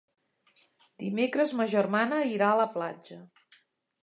Dimecres ma germana irà a la platja.